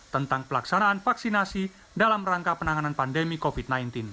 tentang pelaksanaan vaksinasi dalam rangka penanganan pandemi covid sembilan belas